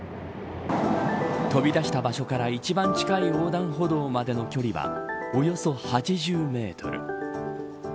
飛び出した場所から一番近い横断歩道までの距離はおよそ８０メートル。